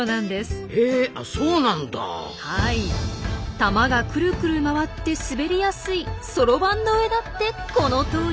玉がクルクル回って滑りやすいそろばんの上だってこのとおり。